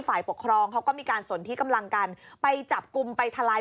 ฝ่ายปกครองเขาก็มีการสนที่กำลังกันไปจับกลุ่มไปทลาย